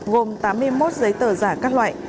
gồm tám mươi một giấy tờ giả các loại